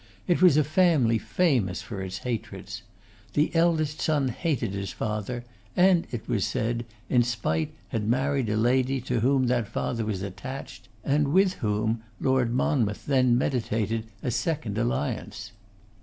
It was a family famous for its hatreds. The eldest son hated his father; and, it was said, in spite had married a lady to whom that father was attached, and with whom Lord Monmouth then meditated a second alliance.